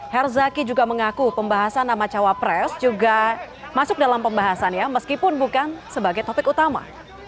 herzaki juga mengaku pembahasan nama cawapres juga masuk dalam pembahasan ya meskipun bukan sebagai topik utama